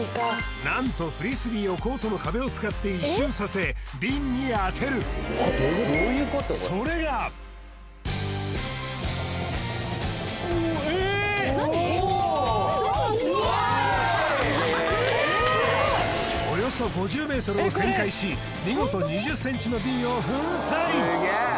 何とフリスビーをコートの壁を使って一周させビンに当てるそれがおよそ５０ｍを旋回し見事２０ｃｍのビンを粉砕！